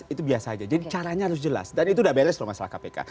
itu biasa aja jadi caranya harus jelas dan itu udah beres loh masalah kpk